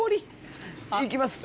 行きます。